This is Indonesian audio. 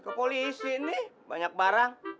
ke polisi nih banyak barang